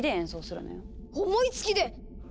思いつきで！